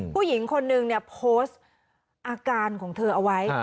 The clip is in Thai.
ผู้หญิงคนนึงเนี่ยโพสต์อาการของเธอเอาไว้